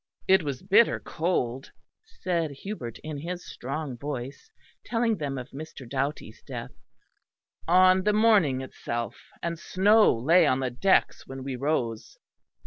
"It was bitter cold," said Hubert in his strong voice, telling them of Mr. Doughty's death, "on the morning itself: and snow lay on the decks when we rose.